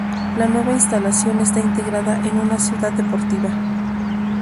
La nueva instalación está integrada en una ciudad deportiva.